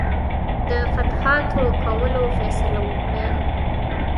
د فتوحاتو کولو فیصله وکړي.